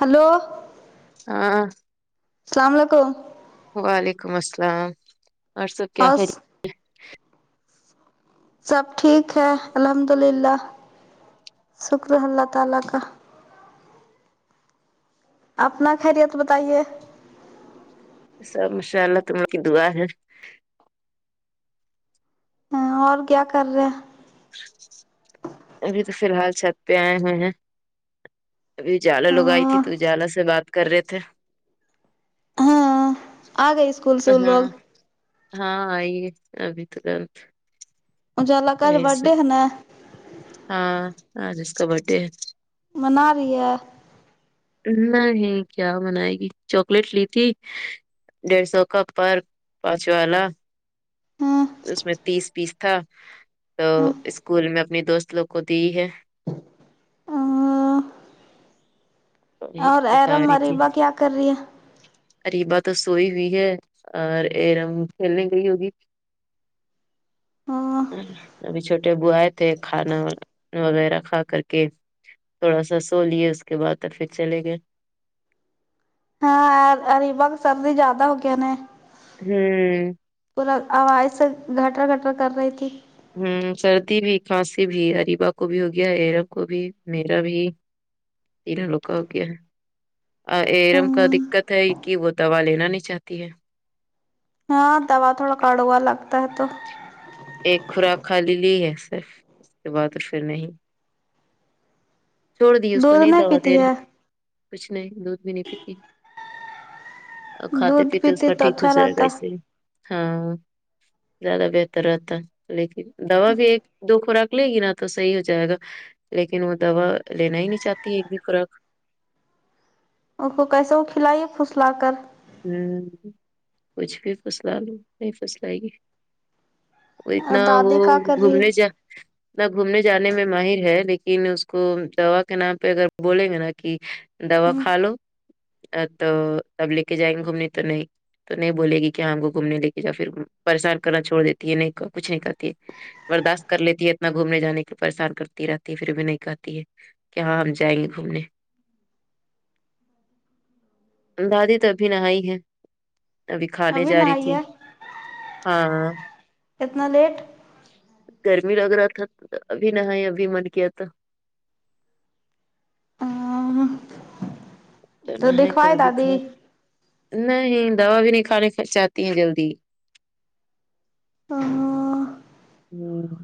Hello ہاں سلام علیکم وعلیکم السلام اور سب کیا خیر سب ٹھیک ہے الحمد للہ شکر اللہ تعالی کا اپنا خیریت بتائیے سب ماشاء اللہ تم لوگوں کی دعا ہے ہاں اور کیا کر رہے ابھی تو فی الحال چھت پہ آئے ہوئے ہیں ابھی اجالا لوگ آئی تھی تو اجالا سے بات کر رہے تھے ہاں آ گئے اسکول سے وہ ہاں لوگ ہاں آئی ہے ابھی تو کل اجالا کا آج بڈڈے ہیں نا ہاں ہاں اج اسکا بڈے ہے منا رہی ہے نہیں کیا بنائے گی چاکلیٹ لی تھی ڈیڑھ سو کا پرک پانچ والا اس میں تیس پیس تھا تو اسکول میں اپنی دوست لوگ کو دی ہے وہی اور بتا ارم اریبہ کیا کر رہی ہے اریبا تو سوئی ہوئی ہے اور ارم کھیلنے گئی ہوگی ہاں ابھی چھوٹے ابو اے تھے کھانا وا وغیرہ کھا کر کے تھوڑا سا سو لیے اس کے بعد میں پھر چلے گئے ہا اب اریبہ کو سردی زیاد ہوگیا نہ ہوں پورا اب آواز سے گھٹر گھٹر کر رہی تھی ہوں سردی بھی کھانسی بھی اریبہ کو بھی ہو گیا ایرم کو بھی میرا بھی تیرا لوکا ہوگیا ہے ا ارم کا دقت ہے کہ وہ دوا لینا نہیں چاہتی ہے ہاں دوا تھوڑا کڑوا لگتا ہے تو ایک خوراک کھالی لی ہے صرف اس کے بعد پھر نہیں چھوڑ دی اس کو دودھ نہیں دوا دے پیتی رہے ہے ہیں کچھ نہیں دودھ بھی نہیں پیتی کھاتے دودھ پیتے اس پیتی کا تو ٹھیک ہو اچھا جائے گا رہتا ہے ایسے ہی ہاں زیادہ بہتر رہتا لیکن دوا بھی ایک دو خوراک لے گی نا تو صحیح ہو جائے گا لیکن وہ دوا لینا ہی نہیں چاہتی ایک بھی خوراک اس کو کیسے وہ کھلائیے پھسلا کر ہوں کچھ بھی پھسلالو نہیں پھسلائیگی وہ اور اتنا وہ دادی کا کر رہی ہے گھومنے جا نہ گھومنے جانے میں ماہر ہے لیکن اس کو دوا کے نام پہ اگر بولیں گے نا کی دوا کھا لو تو تب لے کے جائیں گے گھومنے تو نہیں تو نہیں بولے گی کیا ہم کو گھومنے لے کے جا پھر پریشان کرنا چھوڑ دیتی ہے نہیں کہ کچھ نہیں کھاتی ہے برداشت کر لیتی ہے اتنا گھومنے جانے کی پریشان کرتی رہتی ہے پھر بھی نہیں کھاتی ہے کے ہاں ہم جائیں گے گھومنے جی دادی تو ابھی نہائی ہے تبھی کھانے ابھی جا رہی نہائی تھی ہے ہاں اتنا لیٹ گرمی لگ رہا تھا ابھی نہائی ابھی من کیا تو تو نہائی دکھوائے ابھی دادی کھا رہی۔ نہیں دوا بھی نہیں کھانےچاہتی ہیں جلدی ہاں ہوں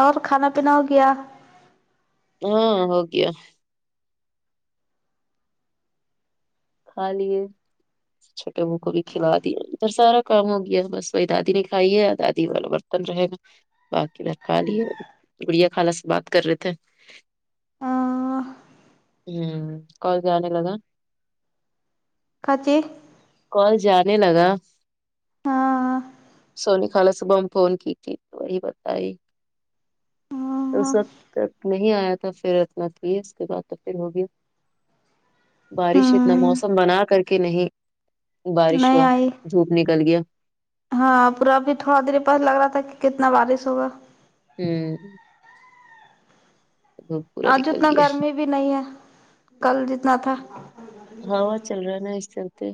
اور کھانا پینا ہو گیا ہاں ہوگیا کھالیے چھوٹے م کو بھی کھلا دیا ادھر سارا کام ہو گیا بس وہی دادی نے کھائی ہے یا دادی وال ب رہے گا باقی ب کھا لیے بڑیا خالہ سے بات کر رہے تھے ہوں کال جانے لگا کط کال جانے لگا ہاں سونی خالہ صبح میں فون کی تھی تو وہی بتائی اس وقت نہیں آیا تھا پھر اتنا تے اس کے بعد تو پھر ہو گیی بارش اتنا موسم بنا کر کے نہیں بارش نہیں ہوا آئی دھوپ نکل گیا ہاں پورا ابھی تھوڑا دیر پس لگ رہا تھا کہ کتنا بارش ہوگا ہوں دھوپ پورا آج نکل اتنا گیا گرمی بھی نہیں ہے کل جتنا تھا ہوا چل رہا ہے نا اس ٹائم پے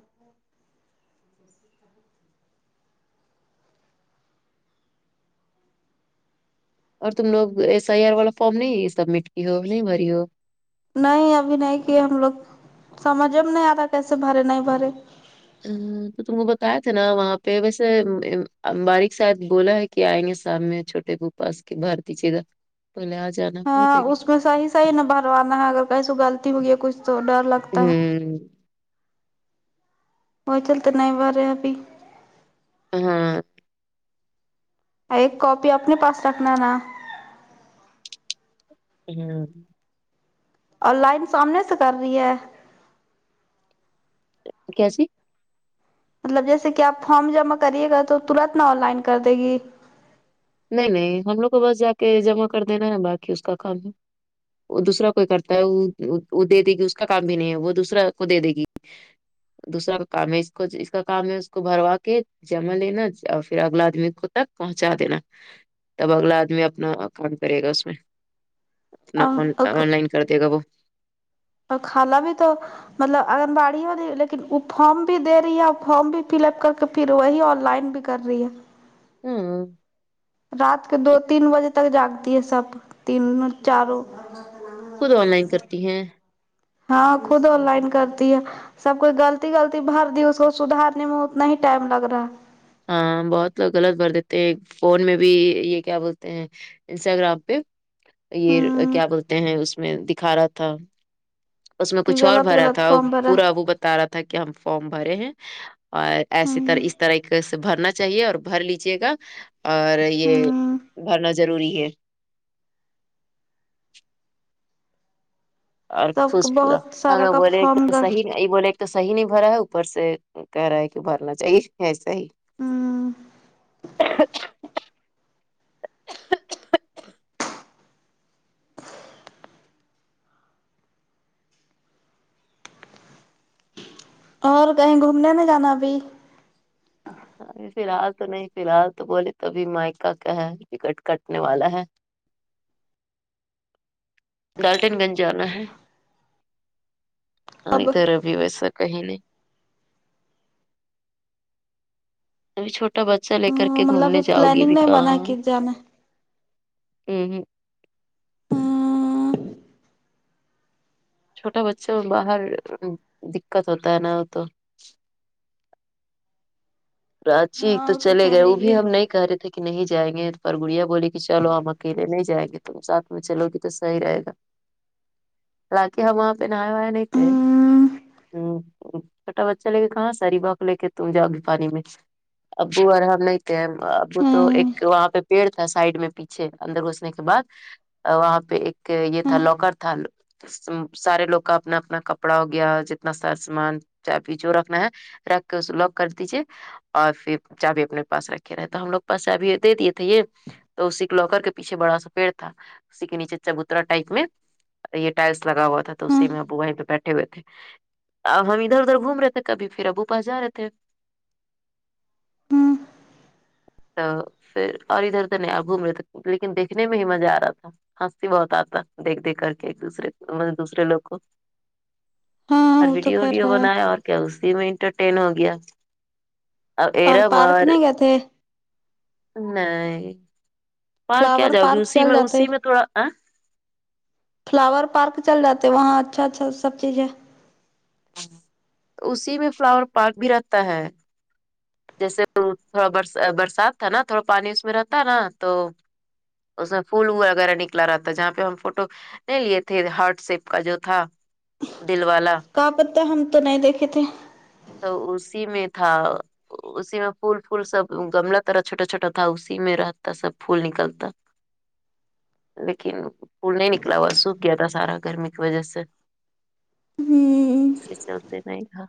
اور تم لگ ایس ایی آر والا فارم نہیں سبمٹ کی ہو نہیں بری ہو نہیں ابھی نہیں کیے ہم لوگ سمجھ میں نہیں آ رہا کیسے بھرے نہیں بھرے تو تم کو بتایا تھے نا وہاں پہ ویسے باریک شاید بولا ہے کہ کے آئیں گے سام میں چھوٹے پوپاس کے بارتی چیدا پہلے آ جانا بھر ہاں دیں اس میں صحیح صحیح نہ بھروانا ہے اگر کہیں سے غلطی ہو گئی ہے کچھ تو ڈر لگتا ہے ہم [unintelligible] نہیں بھر رہے ابھی ہاں اور ایک کاپی اپنے پاس رکھنا نا ہمم آن لائن سامنے سے کر رہی ہے کیسی مطلب جیسے کہ آپ فارم جمع کریے گا تو ترت نا آن لائن کر دے گی نہیں نہیں ہم لوگ کو بس جا کے جمع کر دینا نا باقی اس کا کام ہے وہ دوسرا کوئی کرتا ہے دے دے گی اس کا کام بھی نہیں ہے وہ دوسرا کو دے دے گی دوسرا کا کام ہے اس کو اس کا کام ہے اس کو بھروا کے جمع لینا اور پھر اگلا آدمی کو تک پہنچا دینا تب اگلا آدمی اپنا کام کرے گا اس میں اپنا آن لائن کر دے گا وہ اور خالہ بھی تو مطلب آگنباڑی وال رہی لیکن ا فارم بھی دے رہی ہے فارم بھی فل اپ کر کے پھر وہی آن لائن بھی کر رہی ہے ہمم رات کو دو تین بجے تک جاگتی ہے سب تین چاروں خود آن لائن کرتی ہیں ہاں خود آن لائن کرتی ہے سب کوئی غلطی غلطی بھر دی اس کو سدھارنے میں اتنا ہی ٹائم لگ رہا ہے ہاں بہت لوگ غلط بھر دیتے ہیں فون میں بھی یہ کیا بولتے ہیں انسٹاگرام پہ یہ ہوں کیا بولتے ہیں اس میں دکھا رہا تھا اس میں کہ کچھ اور غلط بھرا غلط تھا فارم بھرا پورا وہ بت رہا تھا کہ ہم فارم بھرے ہیں اور ایسی طرح ہوں اس طرح کی کیسے بھرنا چاہیے اور بھر لیجے گا اور یہ ہوں بھرنا ضروری ہے اور سب خوش کو پورا بہت سارا ہمیں کا بولے فارم گ صحیح یہی بولے ایک تو صحیح نہیں بھرا ہے اوپر سے کہہ رہا ہے کہ بھرنا چاہیے ہے صحیح ہوں اچھا اور کہیں گھومنے نہ جانا ابھی فلحال تو نہیں فلحال تو بولے تو بھی مائکا کیا ہے ٹکٹ کٹنے والا ہے گالٹن گنج جانا ہے ہاں اب ادھر ابھی ویسا کہیں نہیں ابھی چھوٹا بچہ لے کر کے مطلب گھومنے جاؤ گی پلاننگ بھی نہیں بنا کہاں کہ جانا وں ہوں ہوں چھوٹا بچوں اور باہر دکت ہوتا ہے نا وہ تو کراچی ہاں تو وہ چلے کہہ گئے وہ رہی بھی ہے ہم نہیں کہہ رہے تھے کہ نہیں جائیں گے پر گڑیا بولی کہ چلو ہم اکیلے نہیں جائیں گے تم ساتھ میں چلو گے تو صحیح رہے گا حالانکہ ہم وہاں پہ نہاے وئے نہیں تھے ہوں ہوں ہوں چھوٹا بچہ لے کے کہاں سے اریبہ کو لے کے تم جاؤگی پانی میں ابو اور ہم نہیں تھے ابو تو ہوں ایک وہاں پہ پیڑ تھا سائڈ میں پیچھے اندر گھسنے کے بعد وہاں پہ ایک یہ تھا ہوں لوکر تھا سارے لوگ کا اپنا اپنا کپڑا ہو گیا جتنا سارا سامان چابی جو رکھنا ہے رکھ کے اسے لاک کر دیجئے اور پھر چابی اپنے پاس رکھے رہے تو ہم لوگ پاس چابی دے دیے تھے یہ تو اسی ایک لوکر کے پیچھے بڑا سا پیڑ تھا اسی کے نیچے چبوترا ٹائپ میں یہ ٹائلس لگا ہوا تھا تو ہوں اسی میں ابو وہیں پہ بیٹھے ہوئے تھے اب ہم ادھر ادھر گھوم رہے تھے کبھی پھر ابو پاس جا رہے تھے ہوں تو پھر اور ادھر نہیں ابو ملے تو لیکن دیکھنے میں ہی مزہ آ رہا تھا ہنسی بہت آتا دیکھ دیکھ کر کے ایک دوسرے کو مطلب دوسرے لوگ کو ہاں اور وہ تو ویڈیو خیر وڈیو ہے بنایا اور کیا اسی میں انٹرٹین ہو گیا اب ارم پارک اور نہیں گئے تھے نہیں پار کیا فلاور جاؤ گی پارک اسی چل میں جاتے اسی میں تھوڑا فلاور پارک چل جاتے وہاں اچھا اچھا سب چیزیں تو اسی میں فلاور پارک بھی رہتا ہے جیسے تھوڑا بر برسات تھا نا تھوڑا پانی اس میں رہتا نا تو اس میں پھول وغیرہ نکلا رہتا ہے جہاں پہ ہم فوٹو نہیں لیے تھے ہارٹ شیپ کا جو تھا دل والا کا پتا ہم تو نہیں دیکھے تھے تو اسی میں تھا اسی میں پھول فھول سب گملہ تیرا چھوٹا چھوٹا تھا اسی میں رہتا سب پھول نکلتا لیکن پھول نہیں نکلا ہوا سوکھ گیا تھا سارا گرمی کی وجہ سے ہوں ایسے چلتے نہیں گاں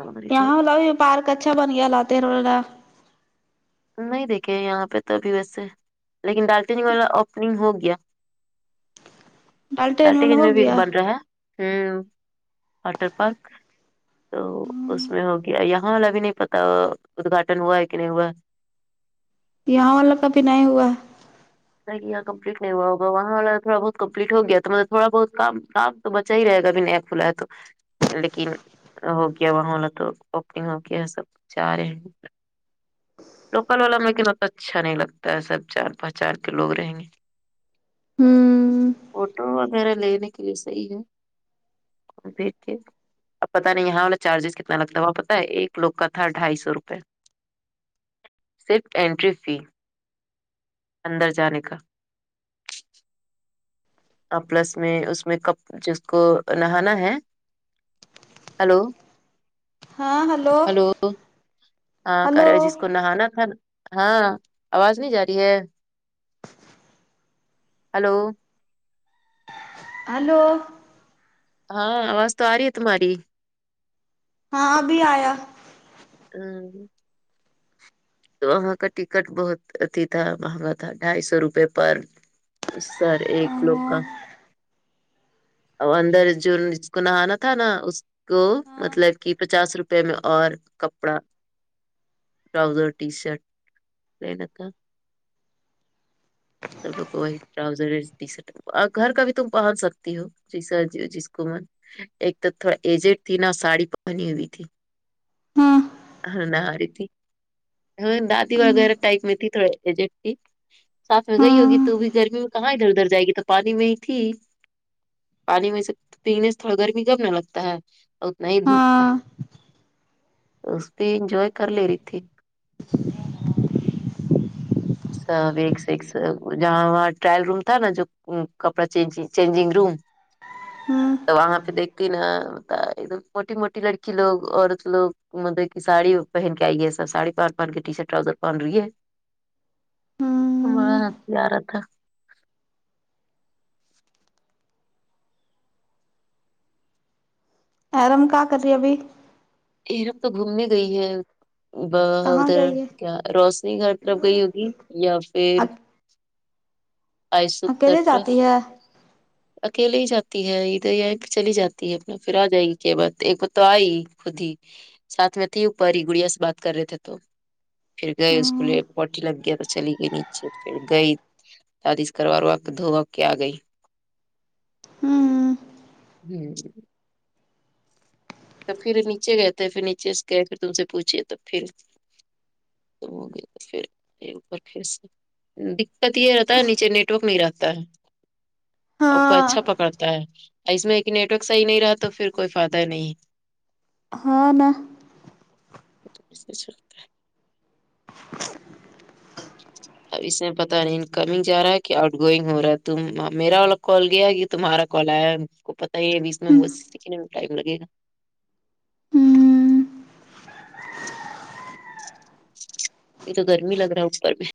اور ادھر یہاں والا بھی پارک اچھا بن گیا لاتے روز آ نہیں دیکھے یہاں پہ تو ابھی ویسے لیکن ڈالٹینگ والا اوپنگ ہو گیا ڈالٹین والا ہو گیا [unintelligible] بن رہا ہے امم واٹر پارک تو اس میں ہو گیا یہاں والا بھی نہیں پت ادگھاٹن ہوا ہے کہ نہیں ہوا یہاں والا کابھی نہیں ہوا نہیں یہاں کمپلیٹ نہیں ہوا ہوگا وہاں والا تھوڑا بہت کمپلیٹ ہو گیا تو مطلب تھوڑا بہت کام کام تو بچا ہی رہے گا ا بھی نیا کھولا ہے تو لیکن ہو گیا وہاں والا تو اپنگ ہو گیا سب جا رہے ہیں لوکل والا میں کہ تو اچھا نہیں لگتا ہے سب چار پانچ [unintelligible] لوگ رہیں گے ہوں فوٹو وغیرہ لینے کے لیے صحیح ہے لیکن اب پتہ نہیں یہاں والا چارجز کتنا لگتا ہے وہاں پتا ہے ایک لوگ کا تھا ڈھائی سو روپئے صرف اٹری فی اندر جانے کا اب پلس میں اس میں کپ جس کو نہانا ہے ہلو ہاں ہلو ہیلو ہاں ہلو کرے جس کو نہانا تھا نا ہاں آواز نہیں جا رہی ہے ہیلو ہیلو ہاں آواز تو آ رہی ہے تمہاری ہاں ابھی آیا امم وہاں کا ٹکٹ بہت اتیھی تھا مہنگا تھا ڈھائی سو روپے پر سر ایک لوگ کا ہاں اندر جون جس کو نہانا تھا نا اس کو ہاں مطلب کہ پچاس روپے میں اور کپڑا ٹراوزر ٹی شٹ پہنے تو سب لو کو وہائ ٹراؤزر ٹی شٹ گھر کا بھی تم پہن سکتی ہو جی سر جی جس کو ایک تو تھوڑا ایجٹ تھی نہا ساڑی پہنی ہوئی تھی ہاں ہاں نہاری تھی دادی وغیرہ ٹائپ میں تھی تھوڑی ایجیٹ ہے ساتھ میں گئی ہوگی ہاں تو بھی گرمی میں کہاں ادھر ادھر جائے گی تو پانی میں ہی تھی پانی میں سے پینے سے تھوڑا گرمی کم نہ لگتا ہے اتنا ہی دھوپ تھا سستی انجوائے کر لے رہی تھی سب ایک سے ایک ہے سب جہاں ٹرائل روم تھا نا جو امم کپڑا چینج چینجنگ روم امم تو وہاں پہ دیکھتی نا سارے لوگ چوٹی موٹی لڑکی لوگ عورت لوگ مطلب کہ ساڑی پہن کے آئی ہے ساڑی پہن پہن کے ٹی شٹ ٹراؤزر پہن رہی ہے ہمبا ہوں ہنسی رہ تھا [unintelligible] ارم کیا کر رہی ہے ابھی ارم تو گھومنے گئی ہے ب کہاں ادھر گئی ہے کیا روشنی گھر تک گئی ہوگی یا پھر آئسک گھر اکیلے جاتی طرف ہے اکیلے ہی جاتی ہے ادھر یا چلی جاتی ہے اپنا پھر آ جائے گی کے بات ایک [unintelligible] خود ہی تھے ساتھ میں تھے اوپر ہی گڑیا سے بات کر رہے تھے تو پھر گئے اس کو لی ہاں پاٹی لگ گیا تو چلی گئی نیچے پھر گئی شادیش کروار و دو اپ کے آ گئی ہمم تب پھر نیچے گئے تھے پھر نیچے سے گئے پھر تم سے پوچھیے توب پھر تو ہو گئے تو پھر [unintelligible] اوپر سے دقت یہ رہتا ہے نیچے نیٹورک نہیں رہتا ہے اوپر ہاں اچھا پکڑتا ہے اس میں کہ نیٹ ورک صحیح نہیں رہا تو پھر کوئی فائدہ ہی نہیں ہاں نہ سلتا ہے [unintelligible] اب اس میں پتاہ نہیں ان کمنگ جا رہا ہے کہ آؤٹ گوئنگ ہو رہا ہے تم میرا والا کال گیا کہ تمہارا کال آیا آ کو پتہ ہی ہے بیس میں بس سیکھنے میں ٹائم ہو گئے ہیں نا یہ تو گرمی لگ رہا ہے اوپر میں